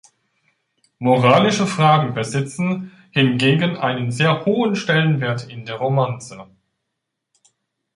Moralische Fragen besitzen hingegen einen sehr hohen Stellenwert in der Romanze.